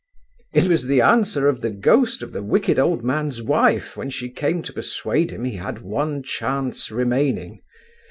"It was the answer of the ghost of the wicked old man's wife when she came to persuade him he had one chance remaining.